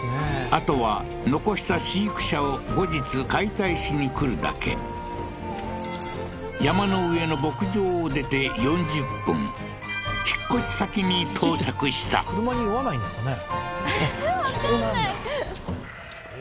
あとは残した飼育舎を後日解体しに来るだけ引っ越し先に到着した車に酔わないんですかね